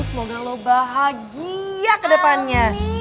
semoga lo bahagia ke depannya